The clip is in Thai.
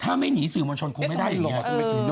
ถ้าไม่หนี่สื่อบอนชนคงไม่ได้อย่างงี้